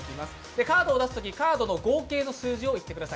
カードを出すとき、カードの合計の数字を言ってください。